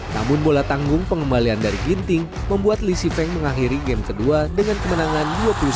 namun bola tanggung pengembalian dari ginting membuat lisi feng mengakhiri game kedua dengan kemenangan dua puluh satu sembilan belas